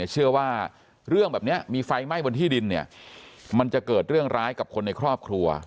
เชื่อว่าเรื่องแบบนี้มีไฟไหม้บนที่ดินเนี่ยมันจะเกิดเรื่องร้ายกับคนในครอบครัว